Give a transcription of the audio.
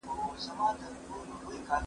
له بېځايه شور ځان وساته